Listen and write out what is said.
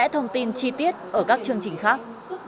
và có thông tin chi tiết ở các chương trình khác